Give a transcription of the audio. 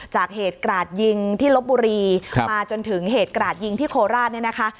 จากเหตุกราดยิงที่ลบบุรีมาจนถึงเหตุกราดยิงที่โคราชเนี่ยนะคะ